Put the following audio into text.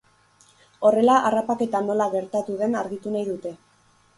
Horrela, harrapaketa nola gertatu den argitu nahi dute.